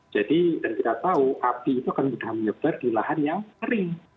jadi dari kita tahu api itu akan mudah menyebar di lahan yang kering